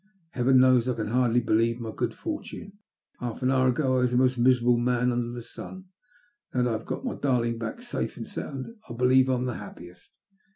Heaven knows I can hardly believe my good fortune. Half an hour ago I was the most miserable man under the sun ; now that I have got my darling back safe and sound, I believe I am the happiest."